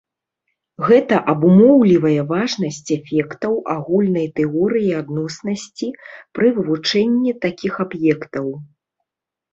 Гэта абумоўлівае важнасць эфектаў агульнай тэорыі адноснасці пры вывучэнні такіх аб'ектаў.